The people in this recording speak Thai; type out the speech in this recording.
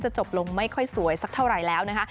จบลงไม่ค่อยสวยสักเท่าไหร่แล้วนะคะ